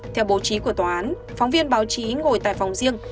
theo bố trí của tòa án phóng viên báo chí ngồi tại phòng riêng